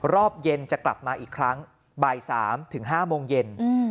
รอบเย็นจะกลับมาอีกครั้งบ่าย๓ถึง๕โมงเย็น